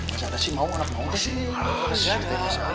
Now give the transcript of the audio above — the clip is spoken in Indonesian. masa ada sih mau anak mau kesini